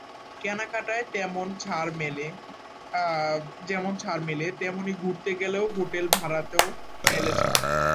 কেনাকাটায় যেমন ছাড় মেলে, তেমনি ঘুরতে গেলে হোটেল ভাড়াতেও মেলে ছাড়।